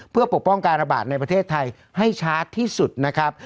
เพื่อปกป้องการระบาดในประเทศไทยให้ช้าที่สุดนะครับ